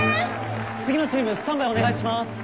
次のチームスタンバイお願いします。